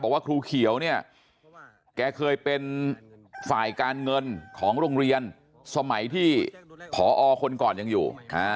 ว่าครูเขียวเนี่ยแกเคยเป็นฝ่ายการเงินของโรงเรียนสมัยที่ผอคนก่อนยังอยู่